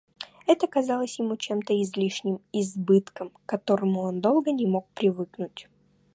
Это казалось ему чем-то излишним, избытком, к которому он долго не мог привыкнуть.